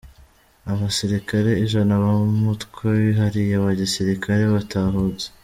Abasirikare Ijana b’umutwe wihariye wa gisirikare batahutse